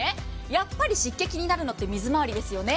やっぱり湿気気になるのは水回りですよね。